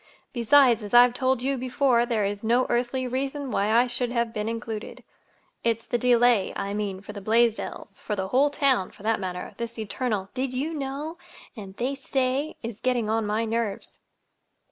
Besides, as I've told you before, there is no earthly reason why I should have been included. It's the delay, I mean, for the Blaisdells—for the whole town, for that matter. This eternal 'Did you know?' and 'They say' is getting on my nerves!"